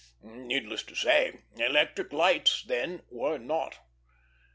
Needless to say, electric lights then were not.